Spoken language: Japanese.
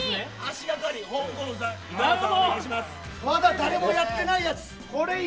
まだ誰もやってないやつ。